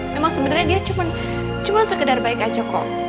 memang sebenarnya dia cuma sekedar baik aja kok